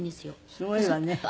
すごいわね。